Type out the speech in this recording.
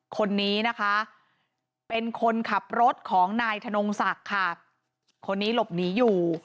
คนนี้นะคะเป็นคนขับรถของนายธนงศักดิ์ค่ะคนนี้หลบหนีอยู่